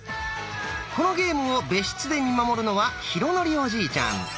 このゲームを別室で見守るのは浩徳おじいちゃん。